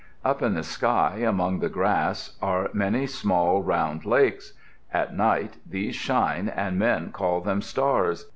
Up in the sky, among the grass, are many small, round lakes. At night these shine and men call them stars.